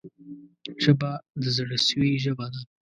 ژبه د زړه سوي ژبه ده